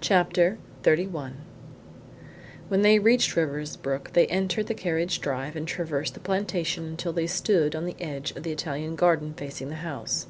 CHAPTER XXXI When they reached Riversbrook they entered the carriage drive and traversed the plantation until they stood on the edge of the Italian garden facing the house.